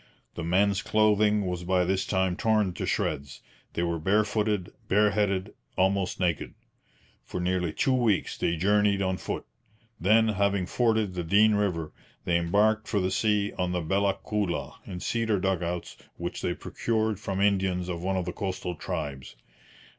The men's clothing was by this time torn to shreds. They were barefooted, bareheaded, almost naked. For nearly two weeks they journeyed on foot; then, having forded the Dean river, they embarked for the sea on the Bella Coola in cedar dug outs which they procured from Indians of one of the coastal tribes.